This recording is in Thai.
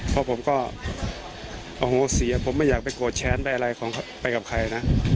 เพราะผมก็โอ้โหเสียผมไม่อยากไปโกรธแค้นไปอะไรไปกับใครนะ